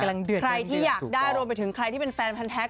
ใครที่อยากได้รวมไปถึงใครที่เป็นแฟนพันแท็ก